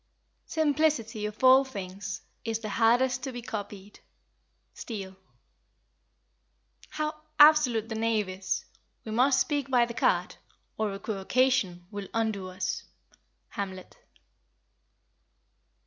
"Simplicity of all things is the hardest to be copied." STEELE. "How absolute the knave is! We must speak by the card, or equivocation will undo us." HAMLET.